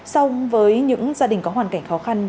song với những gia đình có hoàn cảnh khó khăn